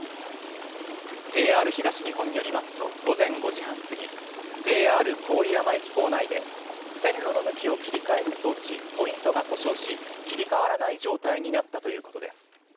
ＪＲ東日本によりますと午前５時半すぎＪＲ郡山駅構内で線路の向きを切り替える装置ポイントが故障し切り替わらない状態になったということです。